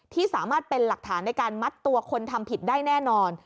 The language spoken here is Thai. ที่สามารถเป็นหลักฐานในการมัดตัวคนทำผิดได้แน่นอน